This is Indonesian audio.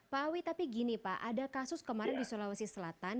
pak awi tapi gini pak ada kasus kemarin di sulawesi selatan